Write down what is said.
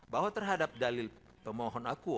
bahwa terhadap dalil pemohon aku